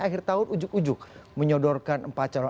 akhir tahun ujuk ujuk menyodorkan empat calon